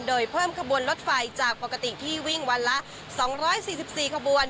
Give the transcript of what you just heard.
โดยเพิ่มขบวนรถไฟจากปกติที่วิ่งวันละ๒๔๔ขบวน